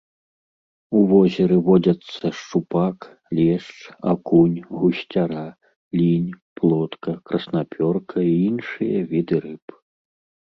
У возеры водзяцца шчупак, лешч, акунь, гусцяра, лінь, плотка, краснапёрка і іншыя віды рыб.